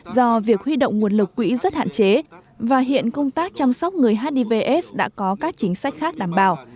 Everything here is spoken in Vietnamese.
do việc huy động nguồn lực quỹ rất hạn chế và hiện công tác chăm sóc người hivs đã có các chính sách khác đảm bảo